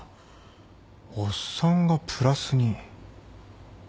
おっさんがプラスに。